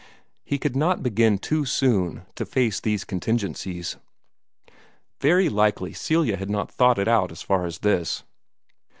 He could not begin too soon to face these contingencies. Very likely Celia had not thought it out as far as this.